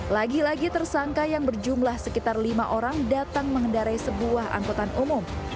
lagi lagi tersangka yang berjumlah sekitar lima orang datang mengendarai sebuah angkutan umum